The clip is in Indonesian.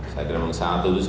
saya kira memang sangat bagus